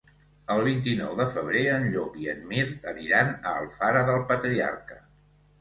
El vint-i-nou de febrer en Llop i en Mirt aniran a Alfara del Patriarca.